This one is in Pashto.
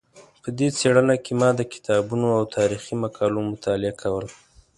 په دې څېړنه کې ما د کتابونو او تاریخي مقالو مطالعه کوله.